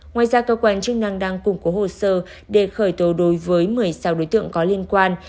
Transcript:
ngoài ra cơ quan chức năng đang củng cố hồ sơ để khởi tố đối với một mươi sáu đối tượng có liên quan